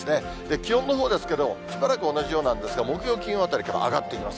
気温のほうですけど、しばらく同じようなんですが、木曜、金曜あたりから上がっていきます。